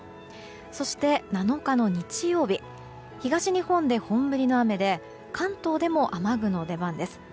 そして、７日の日曜日東日本で本降りの雨で関東でも雨具の出番です。